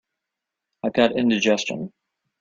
I've got indigestion.